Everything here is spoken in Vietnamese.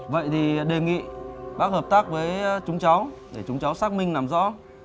vậy thì đề nghị bác hợp tác với chúng cháu để chúng cháu xác minh làm rõ